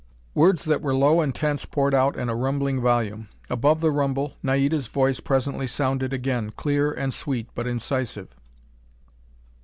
Words that were low and tense poured out in a rumbling volume. Above the rumble, Naida's voice presently sounded again, clear and sweet, but incisive.